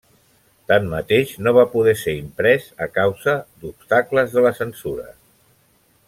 Tanmateix, no va poder ser imprès a causa d'obstacles de la censura.